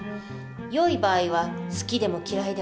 よい場合は好きでも嫌いでもない。